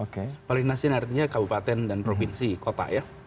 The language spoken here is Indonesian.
kepala dinas ini artinya kabupaten dan provinsi kota ya